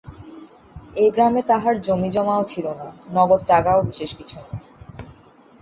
এ গ্রামে তাঁহার জমিজমাও ছিল না, নগদ টাকাও বিশেষ কিছু নয়।